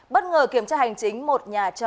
bất ngờ kiểm tra hành chính một nhà chợ